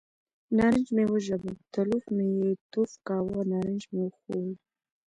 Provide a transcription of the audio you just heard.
نارنج مې وژبه، تلوف مې یې توف کاوه، نارنج مې خوړ.